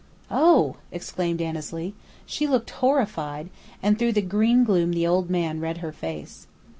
"Oh!" exclaimed Annesley. She looked horrified; and through the green gloom the old man read her face.